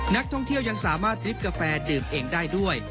นักท่องเที่ยวยังสามารถริบกาแฟดื่มเองได้ด้วย